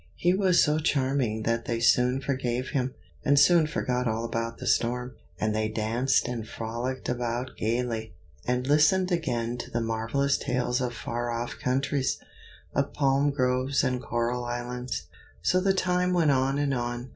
He was so charming that they soon forgave him, and soon forgot all about the storm. And they danced and frolicked about gayly, and listened again to the marvelous tales of far off countries, of palm groves and coral islands. So the time went on and on.